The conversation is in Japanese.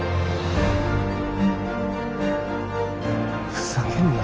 ふざけんな